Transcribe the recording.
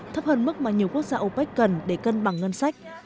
thấp hơn mức mà nhiều quốc gia opec cần để cân bằng ngân sách